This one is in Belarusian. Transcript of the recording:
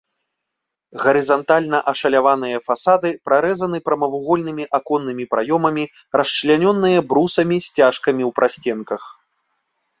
Гарызантальна ашаляваныя фасады прарэзаны прамавугольнымі аконнымі праёмамі, расчлянёныя брусамі-сцяжкамі ў прасценках.